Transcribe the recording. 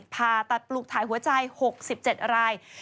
ผ่าตัดปลูกถ่ายหัวใจ๖๗ราย